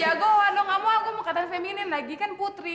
jago waduh gak mau aku mau katan feminin lagi kan putri